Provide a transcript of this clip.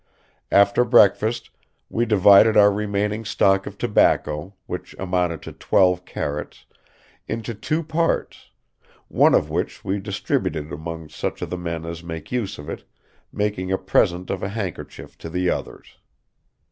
After breakfast we divided our remaining stock of tobacco, which amounted to twelve carrots, into two parts; one of which we distributed among such of the men as make use of it, making a present of a handkerchief to the others.